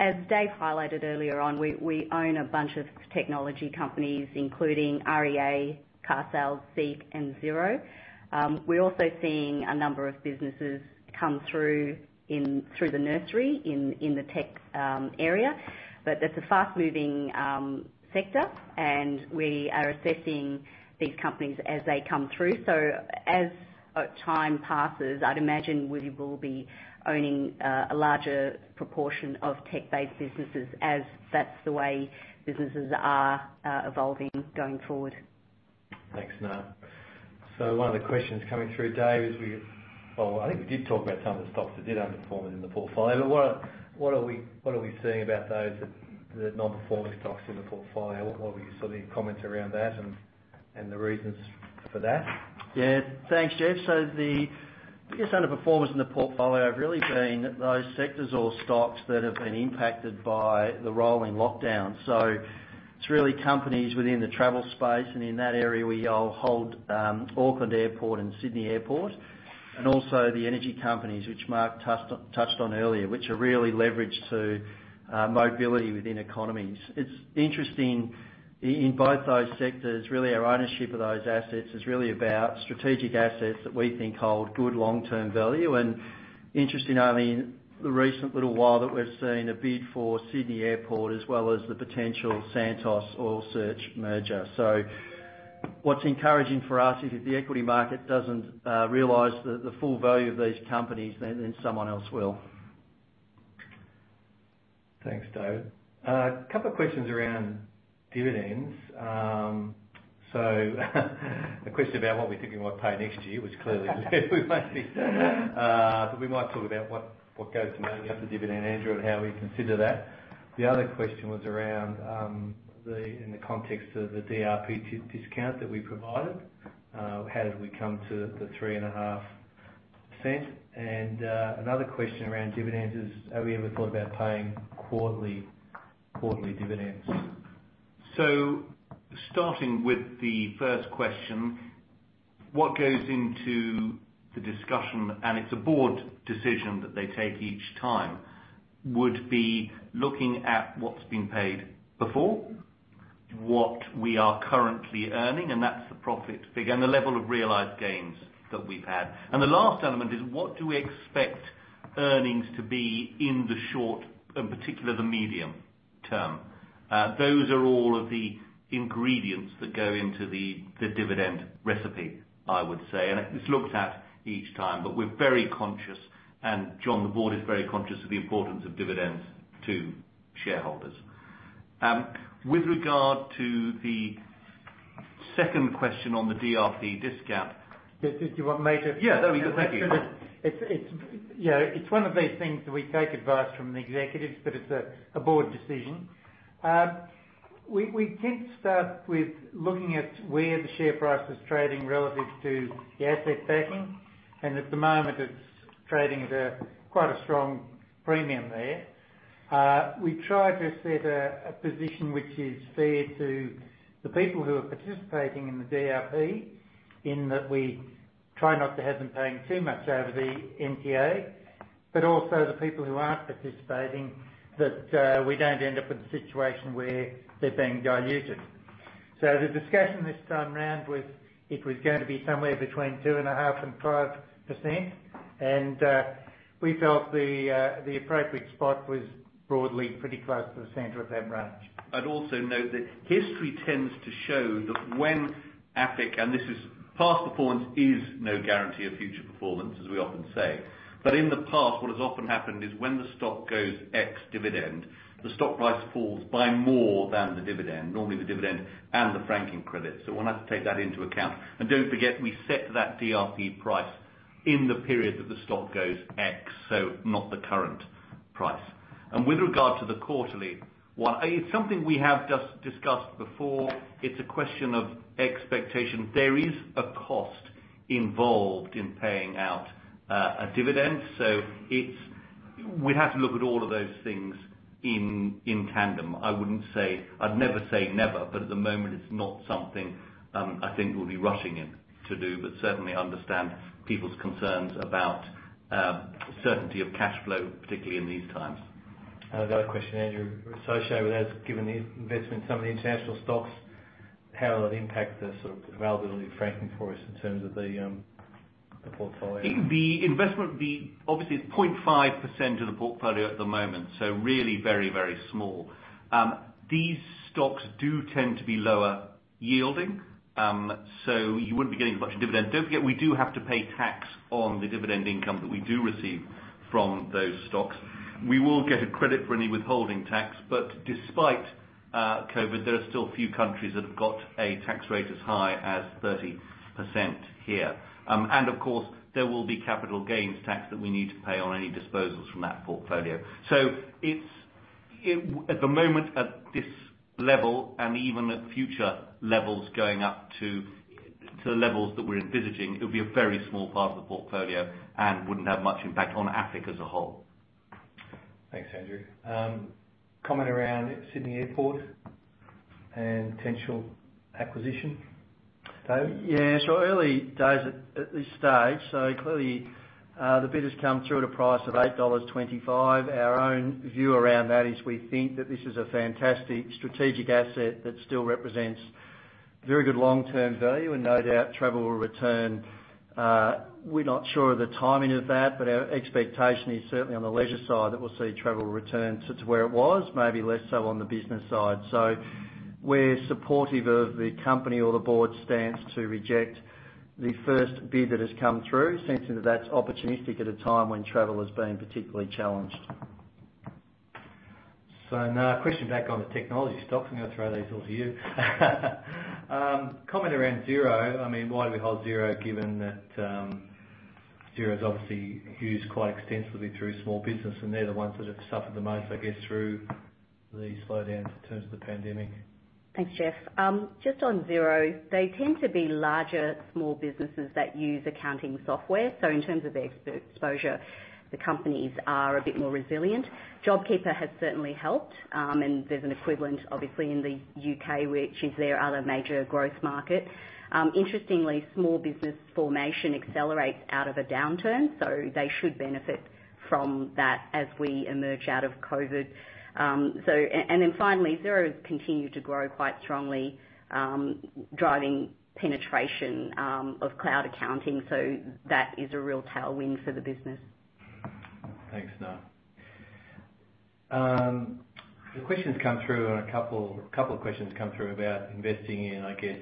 Speaker 5: As David highlighted earlier on, we own a bunch of technology companies, including REA, Carsales, SEEK, and Xero. We're also seeing a number of businesses come through the nursery in the tech area. That's a fast-moving sector, and we are assessing these companies as they come through. As time passes, I'd imagine we will be owning a larger proportion of tech-based businesses as that's the way businesses are evolving going forward.
Speaker 6: Thanks, Nga. One of the questions coming through, David, is I think we did talk about some of the stocks that did underperform in the portfolio, but what are we seeing about those non-performing stocks in the portfolio? What were your comments around that and the reasons for that?
Speaker 4: Yeah. Thanks, Geoff. The biggest underperformers in the portfolio have really been those sectors or stocks that have been impacted by the rolling lockdown. It's really companies within the travel space, and in that area, we hold Auckland Airport and Sydney Airport, and also the energy companies, which Mark touched on earlier, which are really leveraged to mobility within economies. It's interesting, in both those sectors, really our ownership of those assets is really about strategic assets that we think hold good long-term value. Interesting, the recent little while that we've seen a bid for Sydney Airport as well as the potential Santos Oil Search merger. What's encouraging for us is if the equity market doesn't realize the full value of these companies, then someone else will.
Speaker 6: Thanks, David. A couple of questions around dividends. The question about what we're thinking we might pay next year, which clearly we mightn't. We might talk about what goes into owning up the dividend, Andrew, and how we consider that. The other question was around in the context of the DRP discount that we provided, how did we come to the 0.035? Another question around dividends is, have we ever thought about paying quarterly dividends?
Speaker 3: Starting with the first question, what goes into the discussion, and it's a board decision that they take each time, would be looking at what's been paid before, what we are currently earning, and that's the profit figure and the level of realized gains that we've had. The last element is what do we expect earnings to be in the short, and particularly the medium term? Those are all of the ingredients that go into the dividend recipe, I would say. It's looked at each time, but we're very conscious, and John, the board is very conscious of the importance of dividends to shareholders. With regard to the second question on the DRP discount.
Speaker 1: Do you want me to?
Speaker 3: Yeah. No, thank you.
Speaker 1: It's one of these things that we take advice from the executives, but it's a board decision. We tend to start with looking at where the share price is trading relative to the asset backing, and at the moment, it's trading at quite a strong premium there. We try to set a position which is fair to the people who are participating in the DRP, in that we try not to have them paying too much over the NTA, but also the people who aren't participating, that we don't end up in a situation where they're being diluted. The discussion this time around was it was going to be somewhere between 2.5% and 5%, and we felt the appropriate spot was broadly pretty close to the center of that range.
Speaker 3: I'd also note that history tends to show that when AFIC, and past performance is no guarantee of future performance, as we often say. In the past, what has often happened is when the stock goes ex-dividend, the stock price falls by more than the dividend, normally the dividend and the franking credit. We'll have to take that into account. Don't forget, we set that DRP price in the period that the stock goes ex, so not the current price. With regard to the quarterly one, it's something we have discussed before. It's a question of expectation. There is a cost involved in paying out a dividend. We'd have to look at all of those things in tandem. I'd never say never, but at the moment, it's not something I think we'll be rushing in to do, but certainly understand people's concerns about certainty of cash flow, particularly in these times.
Speaker 6: I've got a question, Andrew, associated with this, given the investment in some of the international stocks, how will it impact the availability of franking for us in terms of the portfolio?
Speaker 3: The investment would be obviously 0.5% of the portfolio at the moment. Really very small. These stocks do tend to be lower yielding, so you wouldn't be getting as much dividend. Don't forget, we do have to pay tax on the dividend income that we do receive from those stocks. We will get a credit for any withholding tax, but despite COVID, there are still a few countries that have got a tax rate as high as 30% here. Of course, there will be capital gains tax that we need to pay on any disposals from that portfolio. At the moment, at this level and even at future levels going up to the levels that we're envisaging, it will be a very small part of the portfolio and wouldn't have much impact on AFIC as a whole.
Speaker 6: Thanks, Andrew. Comment around Sydney Airport and potential acquisition. David?
Speaker 4: Early days at this stage. Clearly, the bid has come through at a price of 8.25 dollars. Our own view around that is we think that this is a fantastic strategic asset that still represents very good long-term value, and no doubt travel will return. We're not sure of the timing of that, but our expectation is certainly on the leisure side that we'll see travel return to where it was, maybe less so on the business side. We're supportive of the company or the board stance to reject the first bid that has come through, sensing that that's opportunistic at a time when travel has been particularly challenged.
Speaker 6: Now a question back on the technology stocks. I'm going to throw these all to you. Comment around Xero. Why do we hold Xero given that Xero is obviously used quite extensively through small business, and they're the ones that have suffered the most, I guess, through the slowdown in terms of the pandemic?
Speaker 5: Thanks, Geoff. Just on Xero, they tend to be larger, small businesses that use accounting software. In terms of exposure, the companies are a bit more resilient. JobKeeper has certainly helped, and there's an equivalent, obviously, in the U.K., which is their other major growth market. Interestingly, small business formation accelerates out of a downturn, so they should benefit from that as we emerge out of COVID. Finally, Xero has continued to grow quite strongly, driving penetration of cloud accounting, so that is a real tailwind for the business.
Speaker 6: Thanks, Nga. A couple of questions come through about investing in, I guess,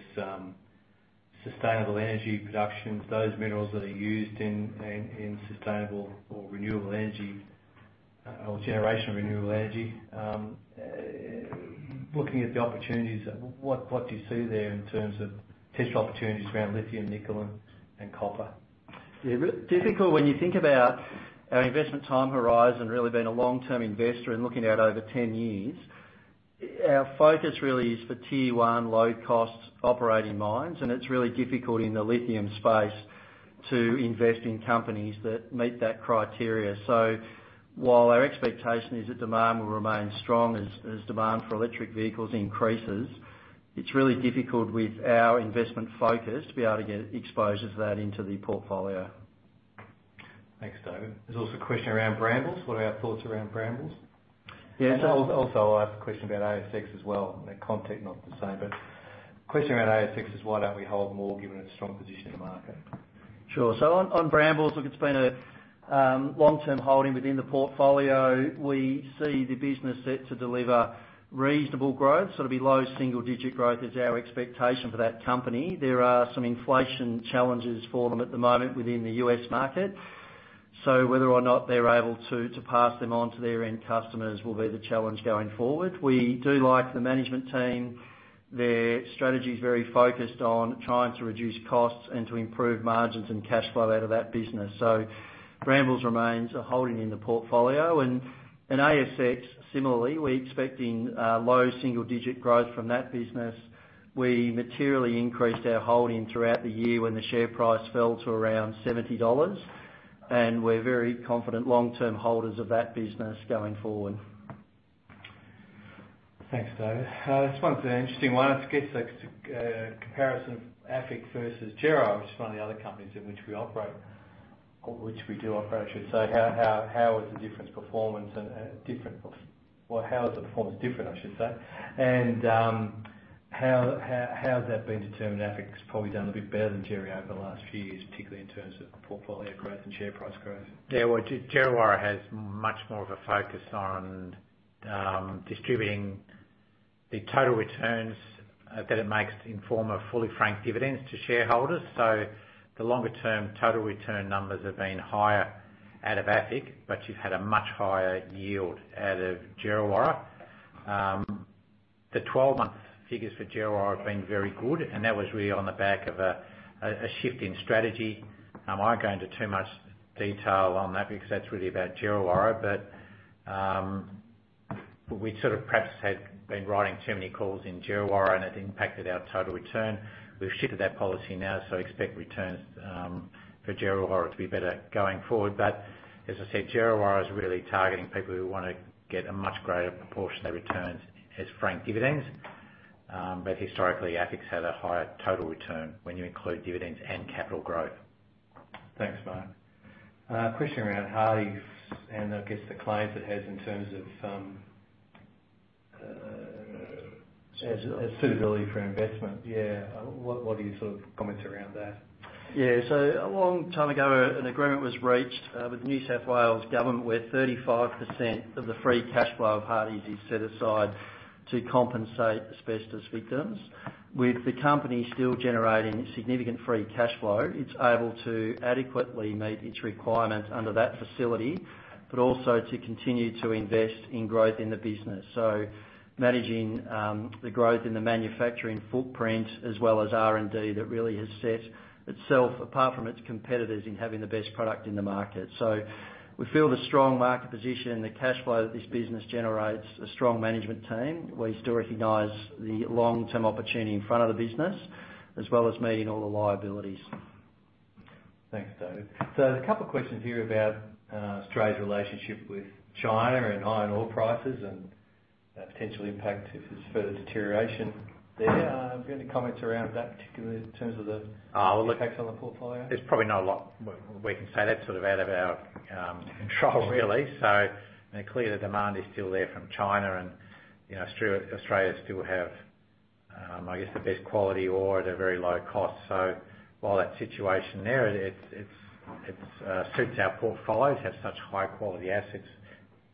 Speaker 6: sustainable energy productions, those minerals that are used in sustainable or renewable energy or generation of renewable energy. Looking at the opportunities, what do you see there in terms of potential opportunities around lithium, nickel, and copper?
Speaker 4: Difficult when you think about our investment time horizon really being a long-term investor and looking out over 10 years. Our focus really is for tier I low costs operating mines. It's really difficult in the lithium space to invest in companies that meet that criteria. While our expectation is that demand will remain strong as demand for electric vehicles increases, it's really difficult with our investment focus to be able to get exposure to that into the portfolio.
Speaker 6: Thanks, David. There's also a question around Brambles. What are our thoughts around Brambles?
Speaker 4: Yeah, so.
Speaker 6: Also, I'll ask a question about ASX as well, the content not the same. The question around ASX is why don't we hold more given its strong position in the market?
Speaker 4: Sure. On Brambles, look, it's been a long-term holding within the portfolio. We see the business set to deliver reasonable growth. It'll be low single-digit growth is our expectation for that company. There are some inflation challenges for them at the moment within the U.S. market. Whether or not they're able to pass them on to their end customers will be the challenge going forward. We do like the management team. Their strategy is very focused on trying to reduce costs and to improve margins and cash flow out of that business. Brambles remains a holding in the portfolio. ASX, similarly, we're expecting low single-digit growth from that business. We materially increased our holding throughout the year when the share price fell to around 70 dollars, and we're very confident long-term holders of that business going forward.
Speaker 6: Thanks, David. This one's an interesting one. I guess it's a comparison of AFIC versus Djerriwarrh, which is one of the other companies in which we operate, or which we do operate, I should say. How is the performance different, I should say? How has that been determined? AFIC's probably done a bit better than Djerriwarrh over the last few years, particularly in terms of portfolio growth and share price growth.
Speaker 2: Well, Djerriwarrh has much more of a focus on distributing the total returns that it makes in form of fully franked dividends to shareholders. The longer-term total return numbers have been higher out of AFIC, but you've had a much higher yield out of Djerriwarrh. The 12-month figures for Djerriwarrh have been very good, and that was really on the back of a shift in strategy. I won't go into too much detail on that because that's really about Djerriwarrh, but we perhaps had been writing too many calls in Djerriwarrh, and it impacted our total return. We've shifted that policy now. Expect returns for Djerriwarrh to be better going forward. As I said, Djerriwarrh is really targeting people who wanna get a much greater proportion of their returns as franked dividends. Historically, AFIC's had a higher total return when you include dividends and capital growth.
Speaker 6: Thanks, Mark. A question around Hardie's and I guess the claims it has in terms of suitability for investment. Yeah. What are your comments around that?
Speaker 4: Yeah. A long time ago, an agreement was reached with the New South Wales government, where 35% of the free cash flow of Hardie's is set aside to compensate asbestos victims. With the company still generating significant free cash flow, it is able to adequately meet its requirements under that facility, but also to continue to invest in growth in the business. Managing the growth in the manufacturing footprint as well as R&D that really has set itself apart from its competitors in having the best product in the market. We feel the strong market position, the cash flow that this business generates, a strong management team. We still recognize the long-term opportunity in front of the business, as well as meeting all the liabilities.
Speaker 6: Thanks, David. There's a couple questions here about Australia's relationship with China and iron ore prices and potential impact if there's further deterioration there. Have you got any comments around that?
Speaker 2: Oh, look.
Speaker 6: Effects on the portfolio?
Speaker 2: There's probably not a lot we can say. That's out of our control, really. Clear the demand is still there from China and Australia still have, I guess, the best quality ore at a very low cost. While that situation there, it suits our portfolios, have such high-quality assets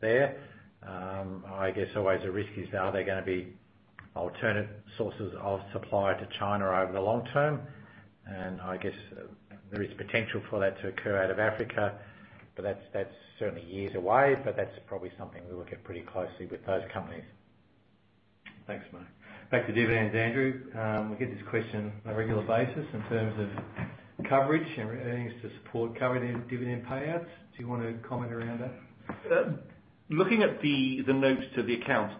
Speaker 2: there. I guess always a risk is are there gonna be alternate sources of supply to China over the long term? I guess there is potential for that to occur out of Africa, but that's certainly years away. That's probably something we look at pretty closely with those companies.
Speaker 6: Thanks, Mark Freeman. Back to dividends, Andrew Porter. We get this question on a regular basis in terms of coverage and earnings to support covered dividend payouts. Do you want to comment around that?
Speaker 3: Looking at the notes to the account,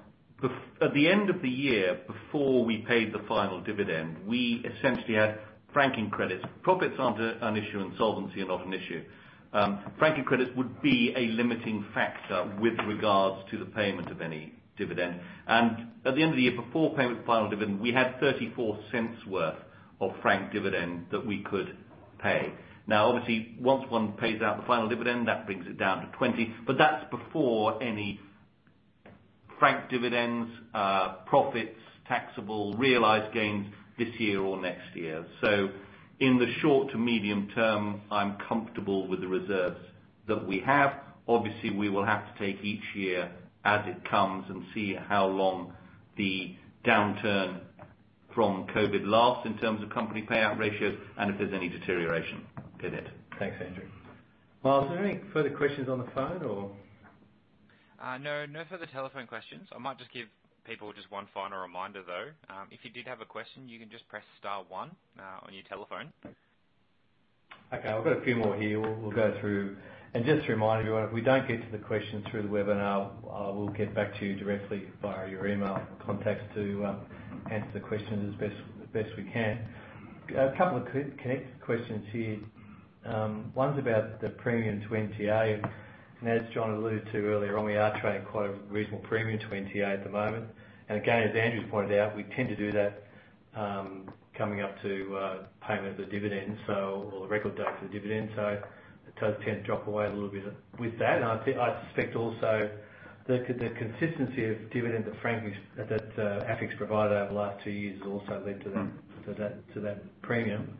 Speaker 3: at the end of the year before we paid the final dividend, we essentially had franking credits. Profits aren't an issue and solvency are not an issue. Franking credits would be a limiting factor with regards to the payment of any dividend. At the end of the year, before payment of the final dividend, we had 0.34 worth of franked dividend that we could pay. Obviously, once one pays out the final dividend, that brings it down to 0.20, but that's before any franked dividends, profits, taxable realized gains this year or next year. In the short to medium term, I'm comfortable with the reserves that we have. Obviously, we will have to take each year as it comes and see how long the downturn from COVID lasts in terms of company payout ratios and if there's any deterioration in it.
Speaker 6: Thanks, Andrew. Miles, are there any further questions on the phone or?
Speaker 7: No. No further telephone questions. I might just give people just one final reminder, though. If you did have a question, you can just press star one on your telephone.
Speaker 6: Okay, I've got a few more here we'll go through. Just to remind everyone, if we don't get to the questions through the webinar, I will get back to you directly via your email contacts to answer the questions as best we can. A couple of connected questions here. One's about the premium to NTA. As John alluded to earlier on, we are trading quite a reasonable premium to NTA at the moment. Again, as Andrew's pointed out, we tend to do that coming up to payment of the dividend, or the record date for the dividend. Those tend to drop away a little bit with that. I suspect also that the consistency of dividends that AFIC provided over the last two years has also led to that premium.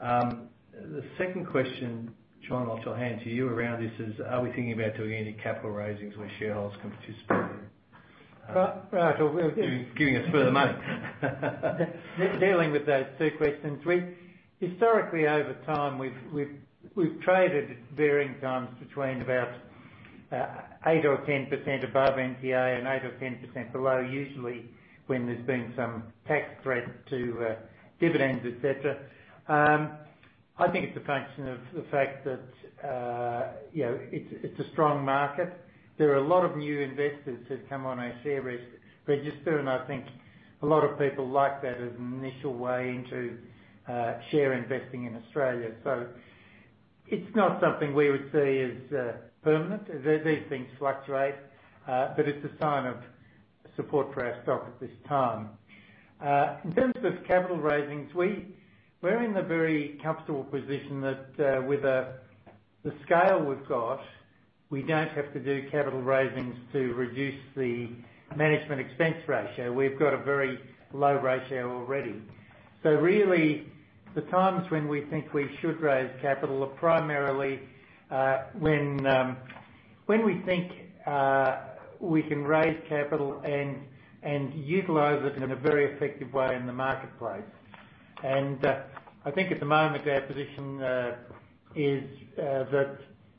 Speaker 6: The second question, John Paterson, which I'll hand to you around this is, are we thinking about doing any capital raisings where shareholders can participate?
Speaker 1: Right.
Speaker 6: Giving us further money.
Speaker 1: Dealing with those two questions. Historically, over time, we've traded at varying times between about 8% or 10% above NTA and 8% or 10% below, usually when there's been some tax threat to dividends, et cetera. I think it's a function of the fact that it's a strong market. There are a lot of new investors who've come on our share register, and I think a lot of people like that as an initial way into share investing in Australia. It's not something we would see as permanent. These things fluctuate. It's a sign of support for our stock at this time. In terms of capital raisings, we're in the very comfortable position that with the scale we've got, we don't have to do capital raisings to reduce the management expense ratio. We've got a very low ratio already. Really, the times when we think we should raise capital are primarily when we think we can raise capital and utilize it in a very effective way in the marketplace. I think at the moment, our position is that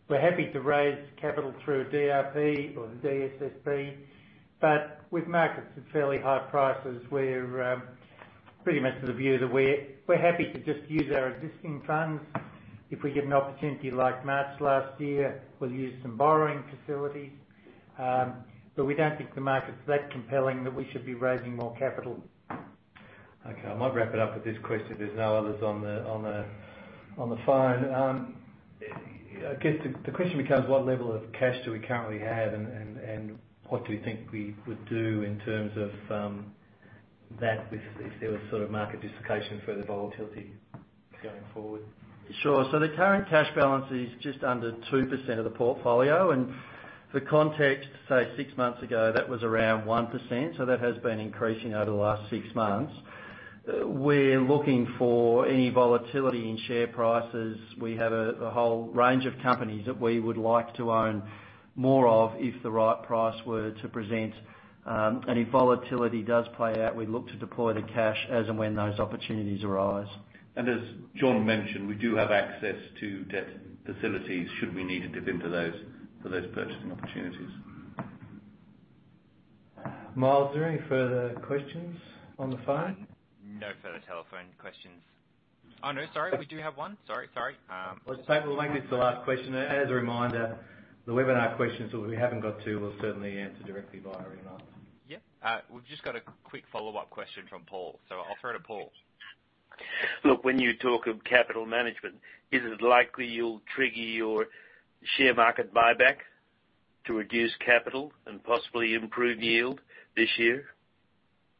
Speaker 1: we're happy to raise capital through a DRP or the DSSP, but with markets at fairly high prices, we're pretty much of the view that we're happy to just use our existing funds. If we get an opportunity like March last year, we'll use some borrowing facilities. We don't think the market's that compelling that we should be raising more capital.
Speaker 6: Okay. I might wrap it up with this question if there's no others on the phone. I guess the question becomes what level of cash do we currently have, and what do we think we would do in terms of that if there was market dislocation, further volatility going forward?
Speaker 4: Sure. The current cash balance is just under 2% of the portfolio. For context, say, six months ago, that was around 1%. That has been increasing over the last six months. We are looking for any volatility in share prices. We have a whole range of companies that we would like to own more of if the right price were to present. If volatility does play out, we would look to deploy the cash as and when those opportunities arise.
Speaker 3: As John mentioned, we do have access to debt facilities should we need to dip into those for those purchasing opportunities.
Speaker 6: Miles, are there any further questions on the phone?
Speaker 7: No further telephone questions. No, sorry. We do have one. Sorry.
Speaker 6: We'll make this the last question. As a reminder, the webinar questions that we haven't got to, we'll certainly answer directly via email.
Speaker 7: Yeah. We've just got a quick follow-up question from Paul, so I'll throw to Paul.
Speaker 8: When you talk of capital management, is it likely you'll trigger your share market buyback to reduce capital and possibly improve yield this year?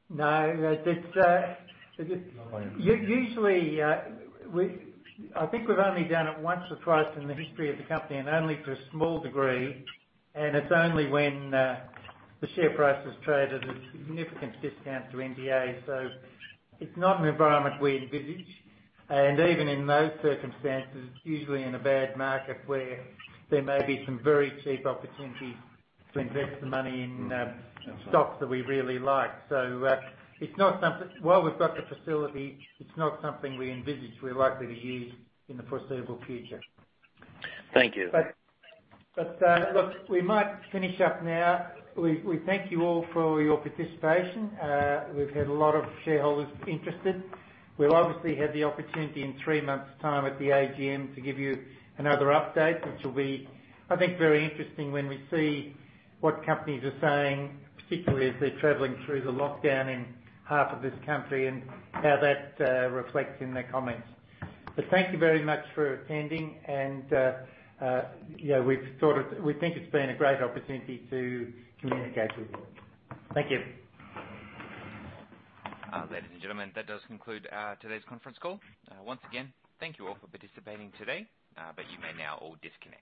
Speaker 1: No.
Speaker 3: Not likely.
Speaker 1: Usually, I think we've only done it once or twice in the history of the company and only to a small degree, and it's only when the share price has traded at a significant discount to NTA. It's not an environment we envisage. Even in those circumstances, it's usually in a bad market where there may be some very cheap opportunities to invest the money in stocks that we really like. While we've got the facility, it's not something we envisage we're likely to use in the foreseeable future.
Speaker 8: Thank you.
Speaker 1: Look, we might finish up now. We thank you all for your participation. We've had a lot of shareholders interested. We'll obviously have the opportunity in three months' time at the AGM to give you another update, which will be, I think, very interesting when we see what companies are saying, particularly as they're traveling through the lockdown in half of this country and how that reflects in their comments. Thank you very much for attending and we think it's been a great opportunity to communicate with you. Thank you.
Speaker 7: Ladies and gentlemen, that does conclude today's conference call. Once again, thank you all for participating today. You may now all disconnect.